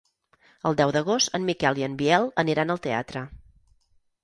El deu d'agost en Miquel i en Biel aniran al teatre.